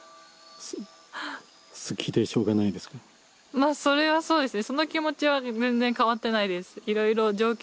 まあそれはそうですね。